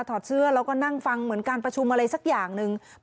อดเสื้อแล้วก็นั่งฟังเหมือนการประชุมอะไรสักอย่างหนึ่ง